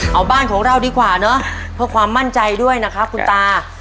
เอาบ้านของเราดีกว่าเนอะเพื่อความมั่นใจด้วยนะครับคุณตา